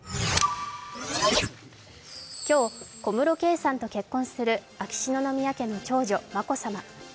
今日、小室圭さんと結婚する秋篠宮家の長女・眞子さま。